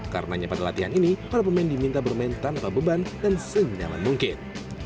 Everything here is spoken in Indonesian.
karena nyepat latihan ini para pemain diminta bermain tanpa beban dan senyaman mungkin